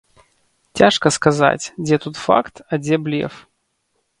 Цяжка сказаць, дзе тут факт, а дзе блеф.